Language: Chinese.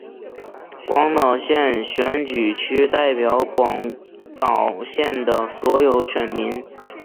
广岛县选举区代表广岛县的所有选民。